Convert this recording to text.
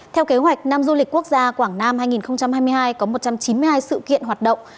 theo kế hoạch năm du lịch quốc gia quảng nam hai nghìn hai mươi hai có một trăm chín mươi hai sự kiện hoạt động